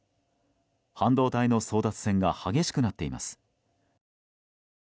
半導体の争奪戦が激しくなっています。